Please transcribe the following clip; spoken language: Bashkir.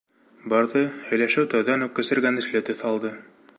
Барҙы, һөйләшеү тәүҙән үк көсөргәнешле төҫ алды.